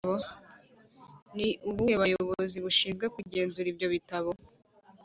ni ubuhe bayobozi bushinzwe kugenzura ibyo bitabo